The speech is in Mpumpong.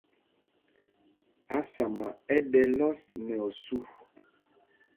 Ásama ɛ́ ɗɛ lɔs nɛ osû.